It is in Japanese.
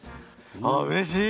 あうれしい！